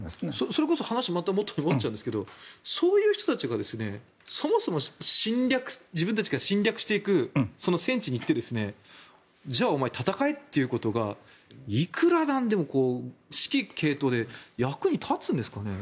それこそ話がまた元に戻っちゃうんですがそういう人たちがそもそも自分たちが侵略していくその戦地に行ってじゃあお前、戦えということがいくらなんでも指揮系統で役に立つんですかね？